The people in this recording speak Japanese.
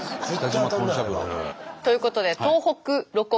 ということで東北ロコ